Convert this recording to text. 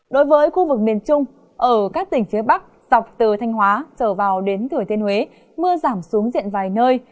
đối với khu vực miền trung ở các tỉnh phía bắc dọc từ thanh hóa trở vào đến thừa thiên huế mưa giảm xuống diện vài nơi